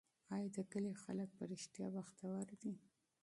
آیا د کلي خلک په رښتیا بختور دي؟